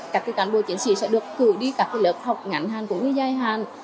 các cán bộ chiến sĩ sẽ được cử đi các lớp học ngắn hàng cũng như dài hàng